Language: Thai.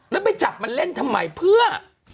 แล้วไปจับมันเล่นทำไมเพื่อ